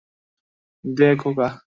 দে, খোকা।